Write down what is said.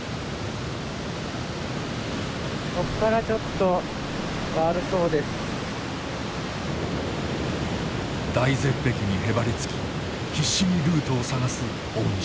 とりあえず大絶壁にへばりつき必死にルートを探す大西。